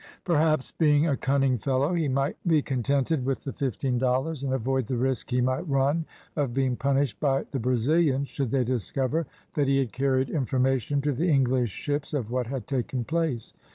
Perhaps being a cunning fellow, he might be contented with the fifteen dollars, and avoid the risk he might run of being punished by the Brazilians, should they discover that he had carried information to the English ships of what had taken place.